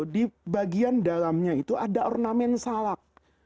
di bagian dalamnya itu ada ornamen salak